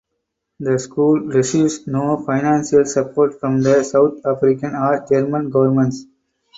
The school receives no financial support from the South African or German governments.